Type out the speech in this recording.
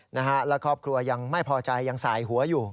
แล้วครอบครัวยังไม่พอใจยังสายหัวอยู่